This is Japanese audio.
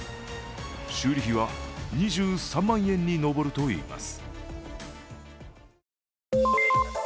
修理費は２３万円に上るといいます。